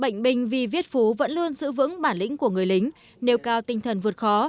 bệnh binh vì viết phú vẫn luôn giữ vững bản lĩnh của người lính nêu cao tinh thần vượt khó